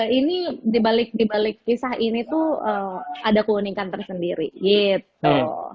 tapi di balik balik kisah ini tuh ada keunikan tersendiri gitu